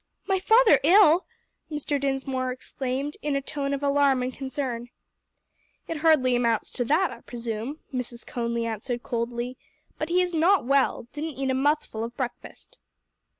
"My father ill?" Mr. Dinsmore exclaimed in a tone of alarm and concern. "It hardly amounts to that, I presume," Mrs. Conly answered coldly; "but he is not well; didn't eat a mouthful of breakfast."